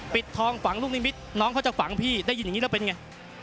ปิดทองฝังลูกนิมิตรน้องเขาจะฝังพี่ได้ยินอย่างนี้แล้วเป็นไง